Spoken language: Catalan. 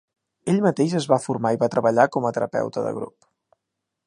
Ell mateix es va formar i va treballar com a terapeuta de grup.